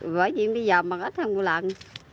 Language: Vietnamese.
với chuyện bây giờ mặc ít hơn một lần